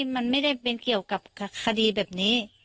มันไม่ได้เป็นเกี่ยวกับคดีแบบนี้